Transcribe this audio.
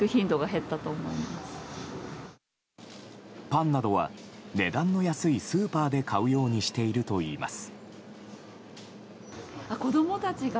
パンなどは値段の安いスーパーで買うようにしているといいます。